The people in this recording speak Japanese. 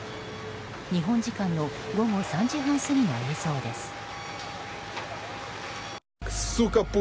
日本時間の午後３時半過ぎの映像です。